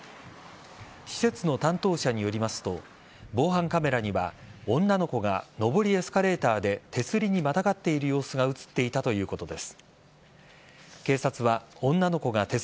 施設の担当者によりますと防犯カメラには女の子が上りエスカレーターで手すりにまたがっている様子が映っていたということです。